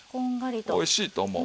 おいしいと思う